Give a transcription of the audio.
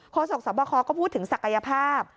ศกสบคก็พูดถึงศักยภาพ